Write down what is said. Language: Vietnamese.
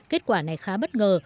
kết quả này khá bất ngờ